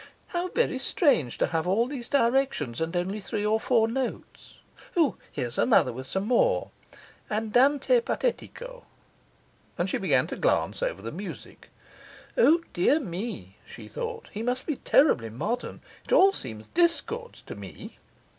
'How very strange to have all these directions, and only three or four notes! O, here's another with some more. Andante patetico.' And she began to glance over the music. 'O dear me,' she thought, 'he must be terribly modern! It all seems discords to me.